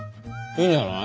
いいんじゃない？